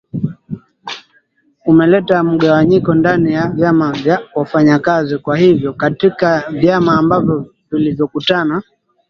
umeleta mugawanyiko ndani ya vyama vya wafanyakazi kwa hivyo katika vyama ambavyo vilivyokutana